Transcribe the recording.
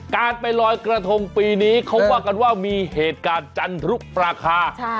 การไปลอยกระทงปีนี้เขาว่ากันว่ามีเหตุการณ์จันทรุปราคา